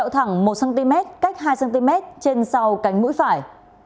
thẳng một cm cách hai cm trên sau cánh mũi phải